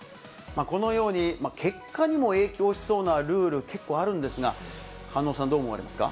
このように、結果にも影響しそうなルール、結構あるんですが、狩野さん、どう思われますか。